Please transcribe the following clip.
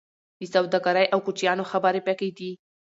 د سوداګرۍ او کوچیانو خبرې پکې دي.